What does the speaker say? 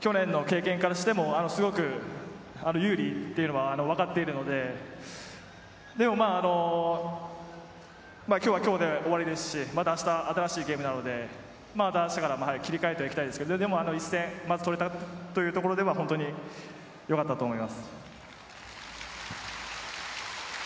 去年の経験からしても、すごく有利というのはわかっているので、でも今日は今日で終わりですし、また明日新しいゲームなので明日からもまた切り替えてきたいですけれど、でもまず１戦取れたというところではよかったと思います。